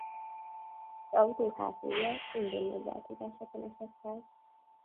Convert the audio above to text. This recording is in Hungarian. Az autó hátulja szintén nagy változásokon esett át.